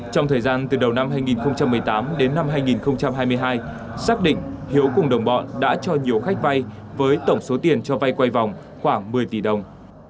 trong thời gian từ đầu năm hai nghìn một mươi tám đến năm hai nghìn hai mươi hai xác định hiếu cùng đồng bọn đã cho nhiều khách vay với tổng số tiền cho vay quay vòng khoảng một mươi tỷ đồng